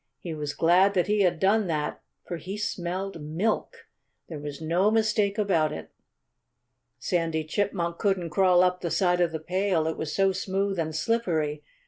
He was glad that he had done that, for he smelled milk. There was no mistake about it. Sandy Chipmunk couldn't crawl up the side of the pail, it was so smooth and slippery.